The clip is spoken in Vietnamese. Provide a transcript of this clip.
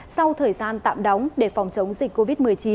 sau thời gian tạm đóng để phòng chống dịch covid một mươi chín